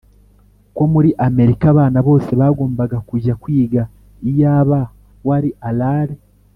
Ko muri amerika abana bose bagombaga kujya kwiga iyaba wari arale